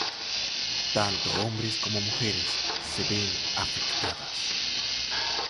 Tanto hombres como mujeres se ven afectadas.